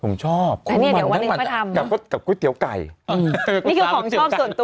ผมชอบแต่เนี่ยเดี๋ยววันนึงไม่ทำกับก๋วยเตี๋ยวไก่อืมนี่คือของชอบส่วนตัว